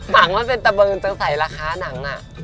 ฟังมันเป็นตะเบิงเจ้าสายราคานังนะ